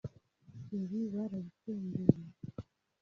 Ibi barabisengeye